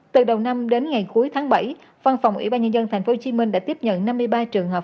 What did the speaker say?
từ đầu năm đến ngày cuối tháng bảy văn phòng ubnd tp hcm đã tiếp nhận năm mươi ba trường hợp